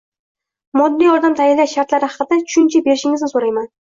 moddiy yordam tayinlash shartlari haqida tushuncha berishingizni so‘rayman?